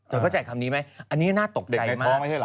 เข้าใจคำนี้ไหมอันนี้น่าตกใจมาก